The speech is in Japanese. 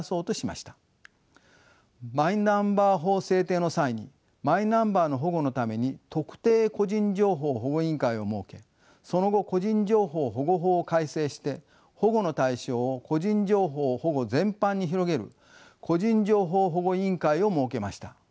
マイナンバー法制定の際にマイナンバーの保護のために特定個人情報保護委員会を設けその後個人情報保護法を改正して保護の対象を個人情報保護全般に広げる個人情報保護委員会を設けました。